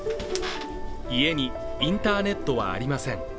家にインターネットはありません。